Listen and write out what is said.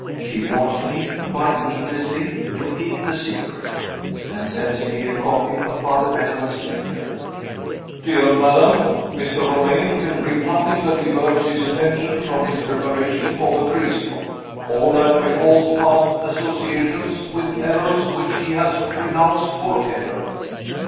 She warns me (quite needlessly) to keep the secret and sends me a copy of Father Benwell's letter: "Dear Madam Mr. Romayne can read nothing that diverts his attention from his preparation for the priesthood, or that recalls past associations with errors which he has renounced forever.